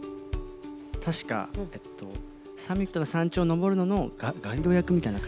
確かサミット山頂登るののガイド役みたいな形。